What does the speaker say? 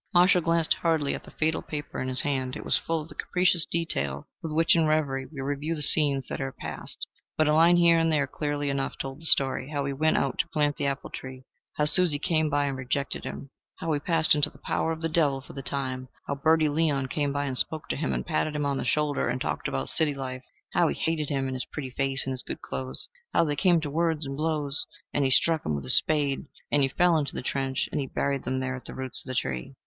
Marshall glanced hurriedly at the fatal paper in his hand. It was full of that capricious detail with which in reverie we review scenes that are past. But a line here and there clearly enough told the story how he went out to plant the apple tree; how Susie came by and rejected him; how he passed into the power of the devil for the time; how Bertie Leon came by and spoke to him, and patted him on the shoulder, and talked about city life; how he hated him and his pretty face and his good clothes; how they came to words and blows, and he struck him with his spade, and he fell into the trench, and he buried him there at the roots of the tree.